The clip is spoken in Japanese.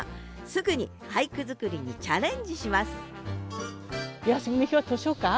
すぐに俳句作りにチャレンジします！